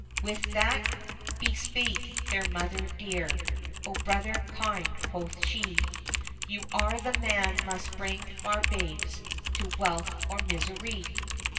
With that bespake their mother dear : "O brother kind," quoth she, You are the man must bring our babes To wealth or misery.